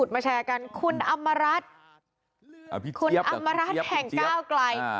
มาแชร์กันคุณอำมารัฐคุณอำมารัฐแห่งก้าวไกล